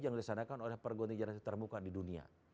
yang dilaksanakan oleh perguni jarak jauh terbuka di dunia